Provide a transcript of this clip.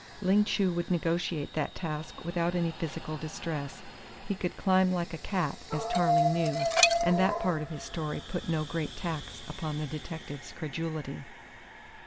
Ling Chu would negotiate that task without any physical distress. He could climb like a cat, as Tarling knew, and that part of his story put no great tax upon the detective's credulity.